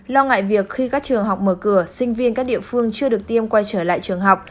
lo ngại việc khi các trường học mở cửa sinh viên các địa phương chưa được tiêm quay trở lại trường học